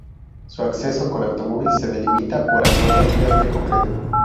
Su acceso con automóvil se delimita por angostas vías de concreto.